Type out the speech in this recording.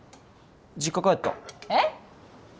実家帰ったええっ！？